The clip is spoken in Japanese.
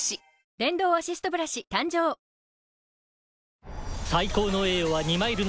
電動アシストブラシ誕生ビール